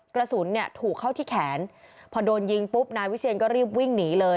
กระสุนเนี่ยถูกเข้าที่แขนพอโดนยิงปุ๊บนายวิเชียนก็รีบวิ่งหนีเลย